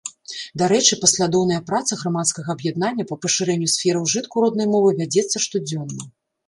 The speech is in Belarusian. Дарэчы, паслядоўная праца грамадскага аб'яднання па пашырэнню сферы ўжытку роднай мовы вядзецца штодзённа.